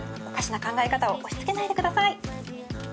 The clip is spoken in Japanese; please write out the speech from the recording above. おかしな考え方を押し付けないでください。